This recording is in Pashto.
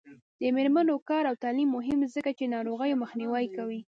د میرمنو کار او تعلیم مهم دی ځکه چې ناروغیو مخنیوی کوي.